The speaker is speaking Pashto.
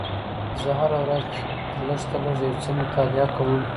زه هره ورځ لږ تر لږه یو څه مطالعه کوم